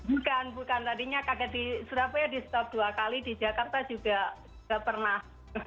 bukan bukan tadinya surabaya di stop dua kali di jakarta juga gak pernah